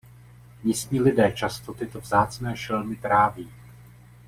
Místní lidé často tyto vzácné šelmy tráví.